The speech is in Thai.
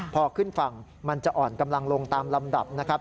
พอขึ้นฝั่งมันจะอ่อนกำลังลงตามลำดับนะครับ